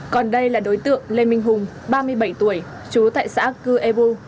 còn đây là đối tượng lê minh hùng ba mươi bảy tuổi chú tại xã cư ebu